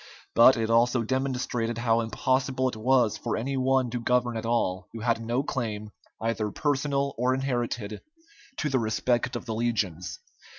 But it also demonstrated how impossible it was for any one to govern at all who had no claim, either personal or inherited, to the respect of the legions.